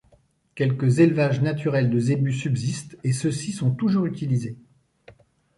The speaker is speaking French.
Quelques élevages naturels de zébus subsistent, et ceux-ci sont toujours utilisés.